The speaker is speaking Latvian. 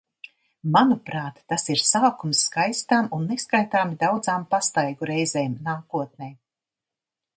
Manuprāt, tas ir sākums skaistām un neskaitāmi daudzām pastaigu reizēm nākotnē.